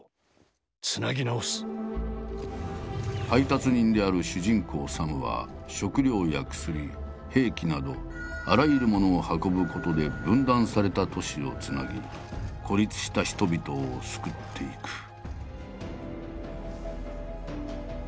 配達人である主人公・サムは食料や薬兵器などあらゆるものを運ぶことで分断された都市を繋ぎ孤立した人々を救っていく。